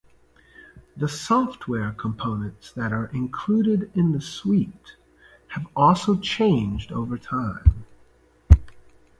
The software components that are included in the suite have also changed over time.